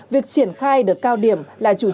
việc triển khai đợt cao điểm là chủ trương